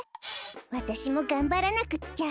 わたしもがんばらなくっちゃ。